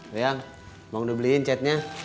ria mau ngebeliin catnya